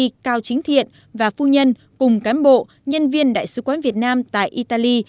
bi cao chính thiện và phu nhân cùng cán bộ nhân viên đại sứ quán việt nam tại italy